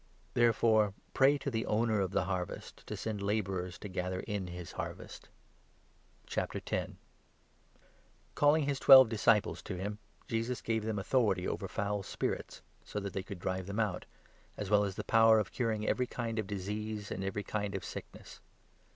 Therefore pray to the Owner of the harvest to send labourers 38 to gather in his harvest." The twelve Calling his twelve Disciples to him, Jesus gave i Apo«tie«. them authority over foul spirits, so that they could drive them out, as well as the power of curing every kind of disease and every kind of sickness.